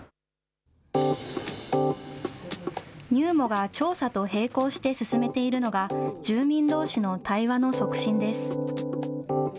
ＮＵＭＯが調査と並行して進めているのが、住民どうしの対話の促進です。